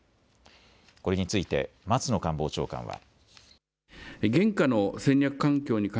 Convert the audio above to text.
これについて松野官房長官は。